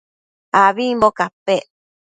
abimbo capec